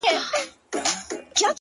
ماهېره که”